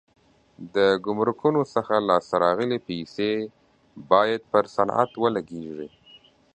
د ګمرکونو څخه لاس ته راغلي پیسې باید پر صنعت ولګېږي.